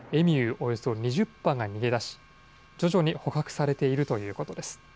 およそ２０羽が逃げ出し、徐々に捕獲されているということです。